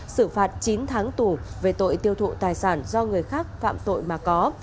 xử phạt chín tháng tù về tội tiêu thụ tài sản do người khác phạm tội mà có